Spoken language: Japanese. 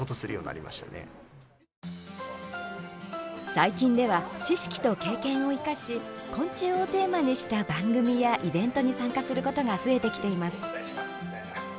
最近では知識と経験を生かし昆虫をテーマにした番組やイベントに参加することが増えてきています。